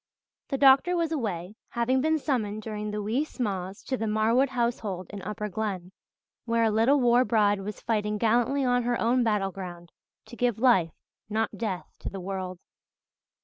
The doctor was away, having been summoned during the wee sma's to the Marwood household in Upper Glen, where a little war bride was fighting gallantly on her own battleground to give life, not death, to the world.